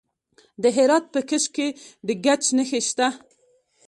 د هرات په کشک کې د ګچ نښې شته.